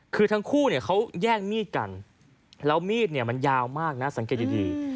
คือทั้งคู่เขาแย่งมีดกันแล้วมีดมันยาวมากนะสังเกตดี